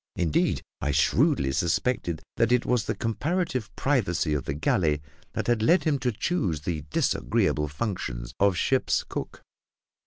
Indeed, I shrewdly suspected that it was the comparative privacy of the galley that had led him to choose the disagreeable functions of ship's cook.